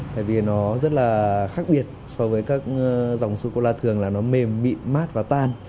tại vì nó rất là khác biệt so với các dòng sô cô la thường là nó mềm mịn mát và tan